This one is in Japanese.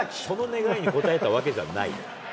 その願いに応えたわけじゃない。